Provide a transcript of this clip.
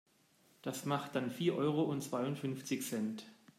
Das macht dann vier Euro und zweiundfünfzig Cent.